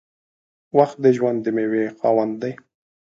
• وخت د ژوند د میوې خاوند دی.